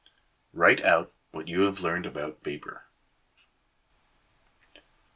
Write out what you have learned about vapor.